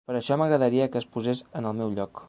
Per això m'agradaria que es posés en el meu lloc.